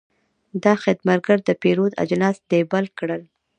دا خدمتګر د پیرود اجناس لیبل کړل.